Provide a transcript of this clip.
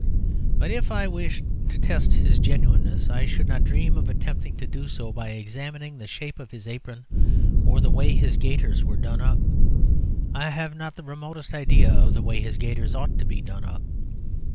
But if I wished to test his genuineness I should not dream of attempting to do so by examining the shape of his apron or the way his gaiters were done up. I have not the remotest idea of the way his gaiters ought to be done up.